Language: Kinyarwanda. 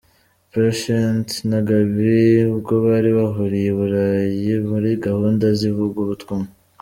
Patient na Gaby ubwo bari bahuriye i Burayi muri gahunda z'ivugabutumwa.